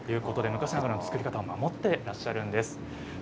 昔ながらの作り方を守っているんですね。